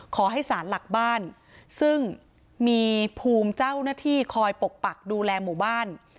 ขอให้สารหลักบ้านซึ่งมีภูมิเจ้าหน้าที่คอยปกปักดูแลหมู่บ้าน